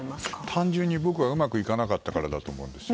単純に僕はうまくいかなかったからだと思います。